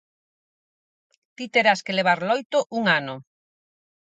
Ti terás que levar loito un ano.